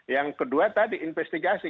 yang kedua tadi investigasi